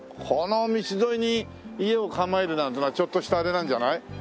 この道沿いに家を構えるなんてのはちょっとしたあれなんじゃない？